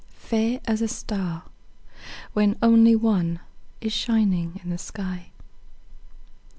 –Fair as a star, when only one Is shining in the sky.